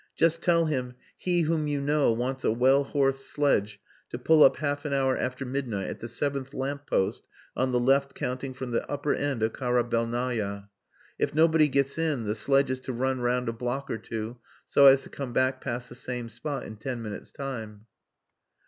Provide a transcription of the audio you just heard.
Just tell him, 'He whom you know wants a well horsed sledge to pull up half an hour after midnight at the seventh lamp post on the left counting from the upper end of Karabelnaya. If nobody gets in, the sledge is to run round a block or two, so as to come back past the same spot in ten minutes' time.